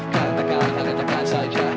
katakanlah katakan saja